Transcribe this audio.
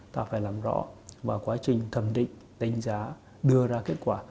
ta phải làm rõ và quá trình thẩm định đánh giá đưa ra kết quả